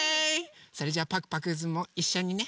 それじゃパクパクズもいっしょにね。